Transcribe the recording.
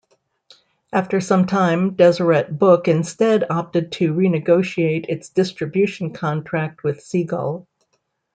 After some time, Deseret Book instead opted to renegotiate its distribution contract with Seagull.